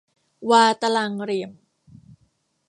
วาตารางเหลี่ยม